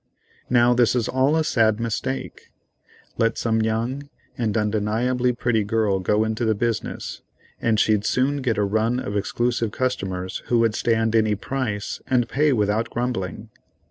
Now this is all a sad mistake. Let some young and undeniably pretty girl go into the business, and she'd soon get a run of exclusive customers who would stand any price and pay without grumbling.